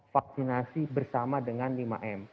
vaksinasi bersama dengan lima m